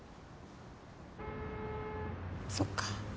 そっか。